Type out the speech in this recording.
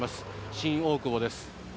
新大久保です。